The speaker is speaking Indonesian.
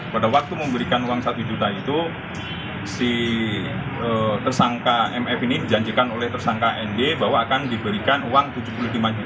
pada waktu memberikan uang satu juta itu si tersangka mf ini dijanjikan oleh tersangka nd bahwa akan diberikan uang rp tujuh puluh lima juta